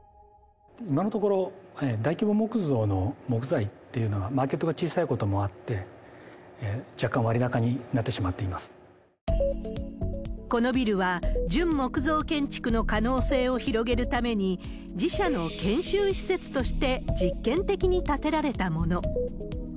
今のところ、大規模木造の木材っていうのは、マーケットが小さいこともあって、このビルは、純木造建築の可能性を広げるために、自社の研修施設として実験的に建てられたもの。